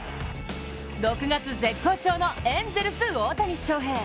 ６月絶好調のエンゼルス・大谷翔平。